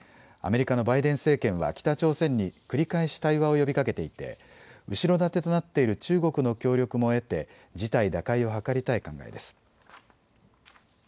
アメリカのバイデン政権は北朝鮮に繰り返し対話を呼びかけていて後ろ盾となっている中国の協力も得て事態打開を図りたい考えです。